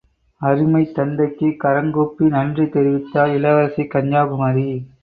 அருமைத் தந்தைக்குக் கரங்கூப்பி நன்றி தெரிவித்தாள் இளவரசி கன்யாகுமரி!